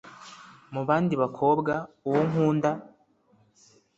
Mu bandi bakobwa, uwo nkunda